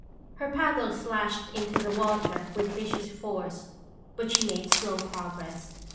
Her paddle slashed into the water with vicious force, but she made slow progress.